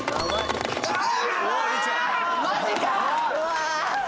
マジか！